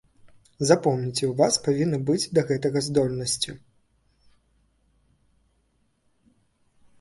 Запомніце, у вас павінны быць да гэтага здольнасці.